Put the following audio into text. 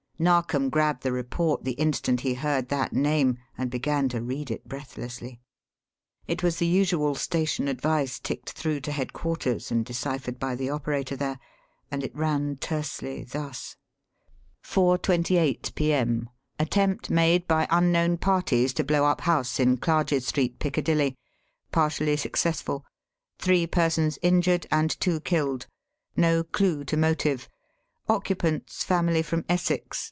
Narkom grabbed the report the instant he heard that name and began to read it breathlessly. It was the usual station advice ticked through to headquarters and deciphered by the operator there, and it ran tersely, thus: "4:28 P. M. Attempt made by unknown parties to blow up house in Clarges Street, Piccadilly. Partially successful. Three persons injured and two killed. No clue to motive. Occupants, family from Essex.